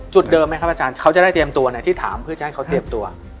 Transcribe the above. เดิมไหมครับอาจารย์เขาจะได้เตรียมตัวในที่ถามเพื่อจะให้เขาเตรียมตัว